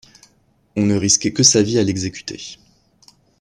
On ne risquait que sa vie à l’exécuter